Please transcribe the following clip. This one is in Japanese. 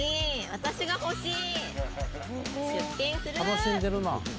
私が欲しい！